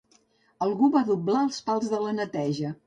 Algú va doblar els pals de neteja.